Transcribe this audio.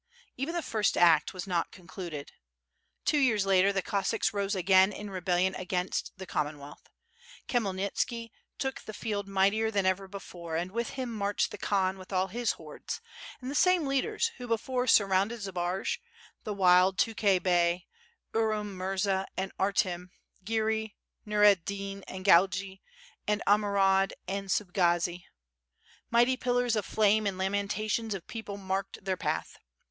Even the first act was not concluded. Two years later the Cossacks rose again in rebellion against the Commonwealth. Khymelnitski took the field mightier than ever before, and with him marched the Khan with all liis hordes, and the same leaders who before surrounded Zbaraj — the wild Tukhay Bey, Urum Murza, and Artim, (Hrey, Xur ed Din, and Galgi, and Amurad, and Subagazi. flighty pillars of flame and lamentations of people marked their path.